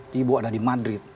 thibaut ada di madrid